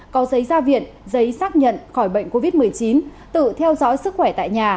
có giấy gia viện giấy xác nhận khỏi bệnh covid một mươi chín tự theo dõi sức khỏe tại nhà